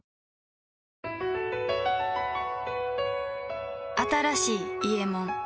あふっ新しい「伊右衛門」